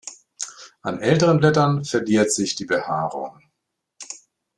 An älteren Blättern verliert sich die Behaarung.